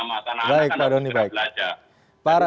maka anak anak akan bekerja belajar